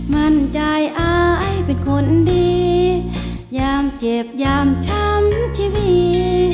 มั่นใจอายเป็นคนดียามเจ็บยามช้ำชีวิต